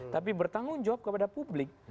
tapi bertanggung jawab kepada publik